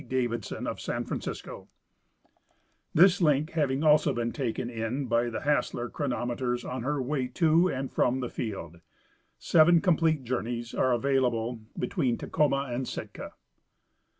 Davidson, of San Francisco ; this link having also been taken in b}^ the Hassler chronometers on her way to and from the field, seven complete journeys are available between Tacoma and Sitka.